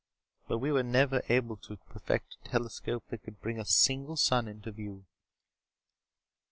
But we were never able to perfect a telescope that could bring a single sun into view.